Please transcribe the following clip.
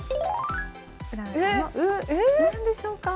何でしょうか？